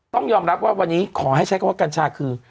ต้องยอมรับว่าวันนี้ขอให้ใช้คำว่ากัญชาคือ